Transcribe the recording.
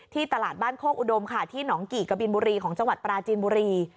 ตลาดบ้านโคกอุดมค่ะที่หนองกี่กะบินบุรีของจังหวัดปราจีนบุรี